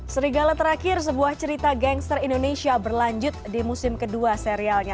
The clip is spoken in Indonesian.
serigala terakhir sebuah cerita gangster indonesia berlanjut di musim kedua serialnya